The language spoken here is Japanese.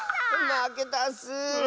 まけたッス！